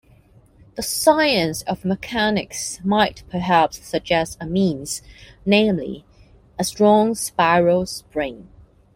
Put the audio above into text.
The science of mechanics might perhaps suggest a means, namely, a strong spiral spring.